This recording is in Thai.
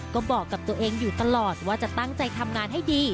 ก็บอกกับตัวเองอยู่ตลอดว่าจะตั้งใจทำงานให้ดี